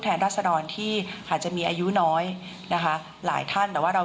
ราศดรที่อาจจะมีอายุน้อยนะคะหลายท่านแต่ว่าเรา